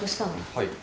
はい。